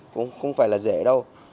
cũng không phải là dễ đâu